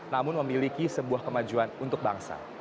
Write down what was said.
namun memiliki sebuah kemajuan untuk bangsa